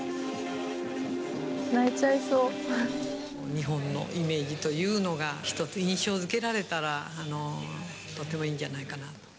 日本のイメージというのが一つ印象づけられたらとてもいいんじゃないかなと。